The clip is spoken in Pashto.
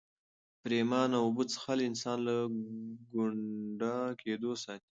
پرېمانه اوبه څښل انسان له ګونډه کېدو ساتي.